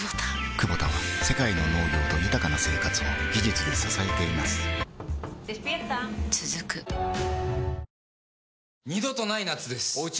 クボタは世界の農業と豊かな生活を技術で支えています起きて。